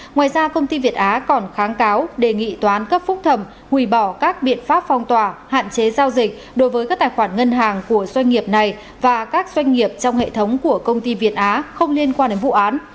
ngoài ra công ty việt á còn kháng cáo đề nghị toán cấp phúc thẩm hủy bỏ các biện pháp phong tỏa hạn chế giao dịch đối với các tài khoản ngân hàng của doanh nghiệp này và các doanh nghiệp trong hệ thống của công ty việt á không liên quan đến vụ án